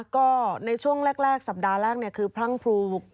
ก็ในช่วงแรกสัปดาห์แรกคือพรั่งพรู